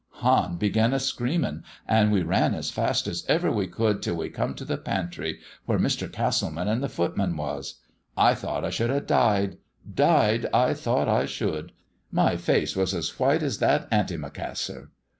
Hann began a screaming, and we ran as fast as ever we could till we come to the pantry, where Mr. Castleman and the footman was. I thought I should ha' died: died I thought I should. My face was as white as that antimacassar."